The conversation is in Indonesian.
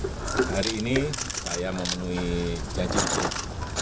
kenapa memilih waktunya mendekati tanggal empat ini pak